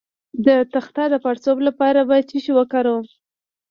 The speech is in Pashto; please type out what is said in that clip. د تخه د پړسوب لپاره باید څه شی وکاروم؟